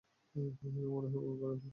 মনে হয় বমি করে ফেললাম।